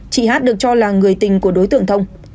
chị hát được cho là người tình của đối tượng thông